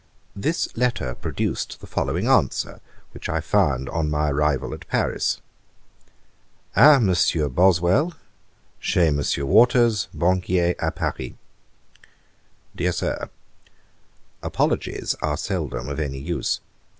This letter produced the following answer, which I found on my arrival at Paris. A Mr. Mr. BOSWELL, chez Mr. WATERS, Banquier, Ã Paris. 'DEAR SIR, 'Apologies are seldom of any use.